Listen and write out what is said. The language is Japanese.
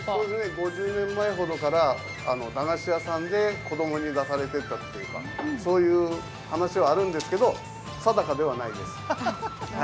５０年ほど前から駄菓子屋さんで子供に出されていたというか、そういう話はあるんですけど定かではないです。